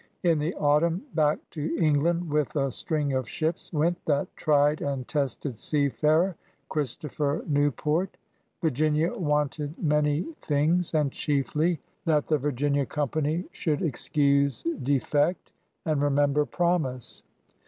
In the autumn back to England with a string of ships went that tried and tested seafarer Christopher Newport. Virginia wanted many 7S 74 PIONEERS OP THE OLD SOUTH things, and chiefly that the Virginia Company should excuse defect and remember promise.